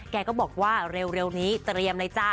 แกก็บอกว่าเร็วนี้เตรียมเลยจ้า